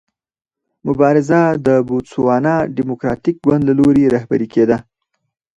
مبارزه د بوتسوانا ډیموکراټیک ګوند له لوري رهبري کېده.